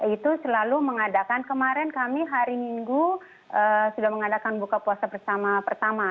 itu selalu mengadakan kemarin kami hari minggu sudah mengadakan buka puasa bersama pertama